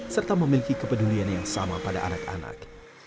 serta memiliki kepedulian yang sama pada anak anak